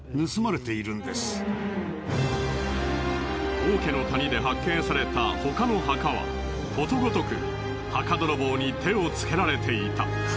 王家の谷で発見された他の墓はことごとく墓泥棒に手をつけられていた。